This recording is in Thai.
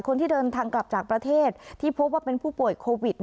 คนที่เดินทางกลับจากประเทศที่พบว่าเป็นผู้ป่วยโควิด